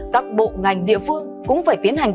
các bộ ngành địa phương cũng phải tiến hành